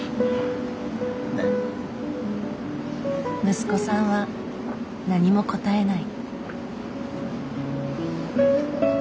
息子さんは何も答えない。